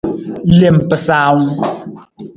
Lem pasaawung.